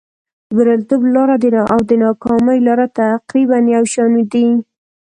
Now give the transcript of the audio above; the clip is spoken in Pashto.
د بریالیتوب لاره او د ناکامۍ لاره تقریبا یو شان دي.